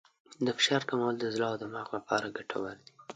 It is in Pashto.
د فشار کمول د زړه او دماغ لپاره ګټور دي.